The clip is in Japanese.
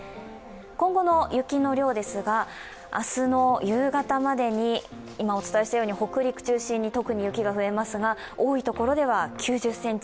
今後の雪の量ですが、明日の夕方までに、今お伝えしたように北陸中心に特に雪が増えますが、多い所では９０ｃｍ。